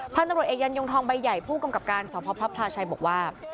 พันธุ์ตำรวจเอกยันยงทองใบใหญ่ผู้กำกับการสพพระพลาชัยบอกว่า